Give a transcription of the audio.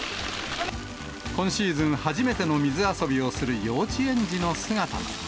今シーズン初めての水遊びをする幼稚園児の姿も。